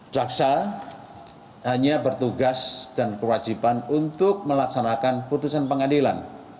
jaksa hanya bertugas dan kewajiban untuk melaksanakan putusan pengadilan